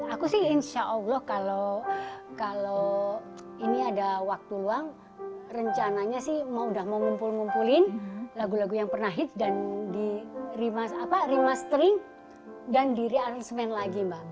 aku sih insya allah kalau ini ada waktu luang rencananya sih mau udah mau ngumpul ngumpulin lagu lagu yang pernah hit dan di remestering dan di realismen lagi mbak